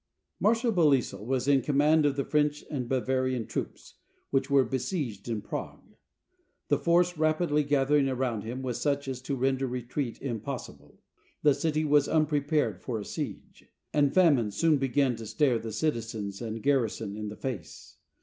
\ Marshal Belleisle was in command of the French and Bavarian troops, which were besieged in Prague. The force rapidly gathering around him was such as to render retreat impossible. The city was unprepared for a siege, and famine soon began to stare the citizens and garrison in the face.